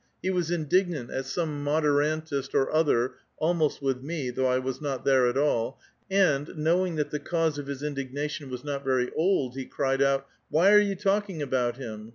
He was in dignant at some moderantist or other (almost with me, tiiough I was not there at all), and, knowing that the cause of his indignation was not very old, he cried out, *' Why are you talking alK)ut him?